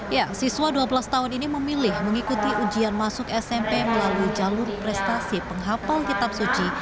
ya siswa dua belas tahun ini memilih mengikuti ujian masuk smp melalui jalur prestasi penghapal kitab suci